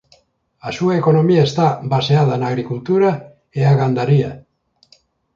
A súa economía está baseada na agricultura e a gandaría.